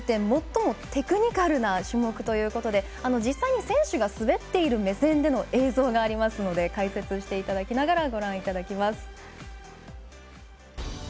最もテクニカルな種目ということで実際に選手が滑っている目線での映像がありますので解説していただきながらご覧いただきます。